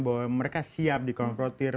bahwa mereka siap dikonfrontir